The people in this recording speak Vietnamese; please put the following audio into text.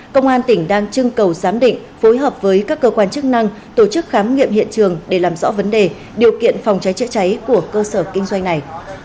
công an tỉnh đang trưng cầu giám định phối hợp với các cơ quan chức năng tổ chức khám nghiệm hiện trường để làm rõ vấn đề điều kiện phòng cháy chữa cháy của cơ sở kinh doanh này